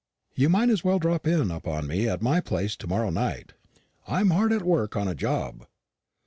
You might as well drop in upon me at my place to morrow night. I'm hard at work on a job."